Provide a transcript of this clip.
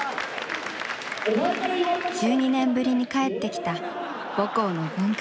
１２年ぶりに帰ってきた母校の文化祭。